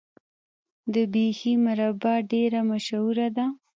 د بیحي مربا ډیره مشهوره ده.